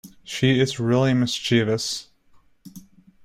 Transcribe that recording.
She is really mischievous.